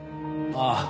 ああ。